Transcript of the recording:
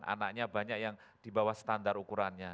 anaknya banyak yang di bawah standar ukurannya